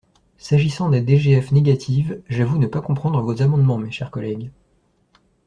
S’agissant des DGF négatives, j’avoue ne pas comprendre vos amendements, mes chers collègues.